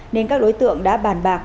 nên các đối tượng đã bàn bạc